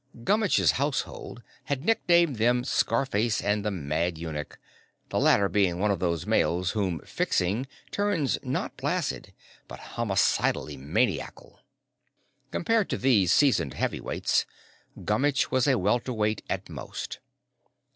Gummitch's household had nicknamed them Scarface and the Mad Eunuch, the latter being one of those males whom "fixing" turns, not placid, but homicidally maniacal. Compared to these seasoned heavyweights, Gummitch was a welterweight at most.